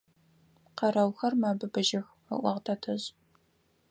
Къэрэухэр мэбыбыжьых, – ыӏуагъ тэтэжъ.